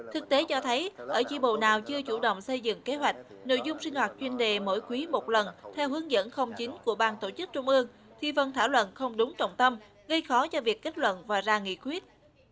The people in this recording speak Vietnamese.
thực tế cho thấy ở tri bộ nào chưa chủ động xây dựng kế hoạch nội dung sinh hoạt chuyên đề mỗi quý một lần theo hướng dẫn chín của bang tổ chức trung ương thi phần thảo luận không đúng trọng tâm gây khó cho việc kết luận và ra nghị quyết